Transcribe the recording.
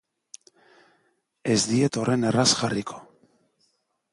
Ez diet horren erraz jarriko.